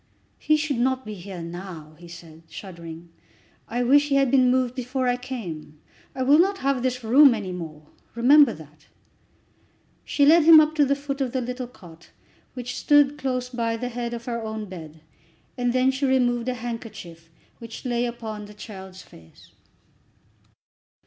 "He should not be here now," he said, shuddering. "I wish he had been moved before I came. I will not have this room any more; remember that." She led him up to the foot of the little cot, which stood close by the head of her own bed, and then she removed a handkerchief which lay upon the child's face.